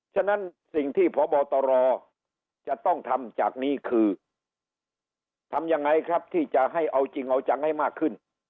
ฉะนั้นสิ่งที่พบตรจะต้องทำจากนี้คือทำยังไงครับที่จะให้เอาจริงเอาจังให้มากขึ้น